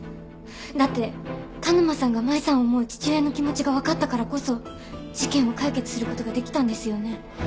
だって田沼さんが麻衣さんを思う父親の気持ちがわかったからこそ事件を解決する事ができたんですよね？